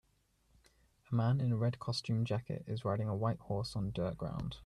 A man in a red costume jacket is riding a white horse on dirt ground.